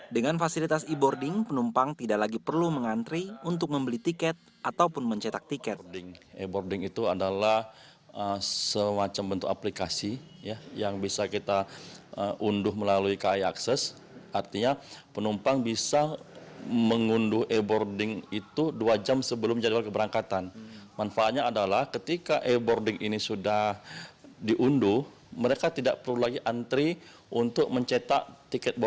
dengan fasilitas e boarding penumpang tidak lagi perlu mengantri untuk membeli tiket ataupun mencetak tiket